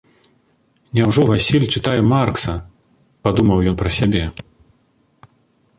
«Няўжо Васіль чытае Маркса?» — падумаў ён пра сябе.